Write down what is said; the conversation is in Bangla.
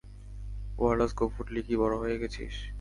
ওয়ালরাস গোঁফ উঠলেই কি বড় হয়ে গেছিস?